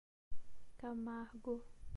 Camargo